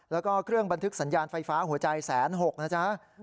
แล้วก็เครื่องบันทึกสัญญาณไฟฟ้าหัวใจ๑๖๐๐นะจ๊ะ